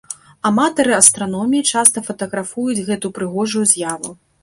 Аматары астраноміі часта фатаграфуюць гэту прыгожую з'яву.